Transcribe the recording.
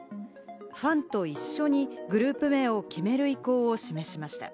ファンと一緒にグループ名を決める意向を示しました。